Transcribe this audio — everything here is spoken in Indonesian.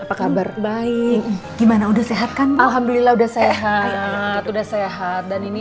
apa kabar stay gimana udah sehat kan elhamdulillah sudah sehat udah sehat dan ini